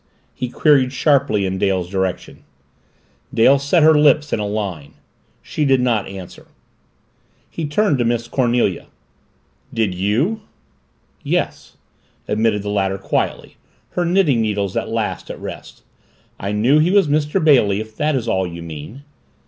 he queried sharply in Dale's direction. Dale set her lips in a line. She did not answer. He turned to Miss Cornelia. "Did you?" "Yes," admitted the latter quietly, her knitting needles at last at rest. "I knew he was Mr. Bailey if that is all you mean."